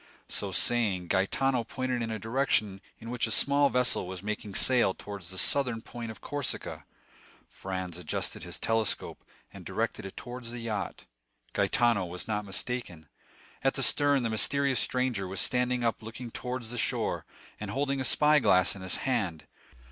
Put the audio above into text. So saying, Gaetano pointed in a direction in which a small vessel was making sail towards the southern point of Corsica. Franz adjusted his telescope, and directed it towards the yacht. Gaetano was not mistaken. At the stern the mysterious stranger was standing up looking towards the shore, and holding a spy glass in his hand.